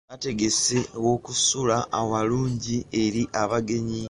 Bategese awokusula awalungi eri abagenyi.